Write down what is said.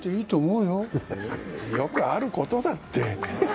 よくあることだって。